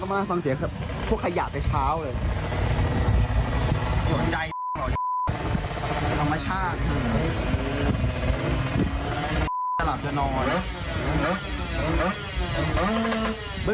ก็มาฟังเสียค่ะพวกขยะไปเช้าเลยหยุดใจหรอธรรมชาติ